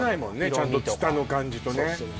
ちゃんとツタの感じとね